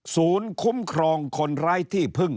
ศูนย์คุ้มครองคนไร้ที่พึ่ง